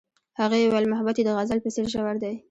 هغې وویل محبت یې د غزل په څېر ژور دی.